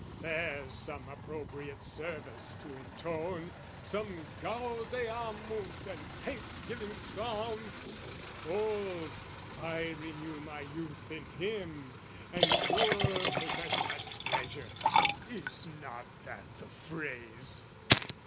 There's some appropriate service to intone, Some gaudeamus and thanksgiving psalm! Old, I renew my youth in him, and poor Possess a treasure, is not that the phrase?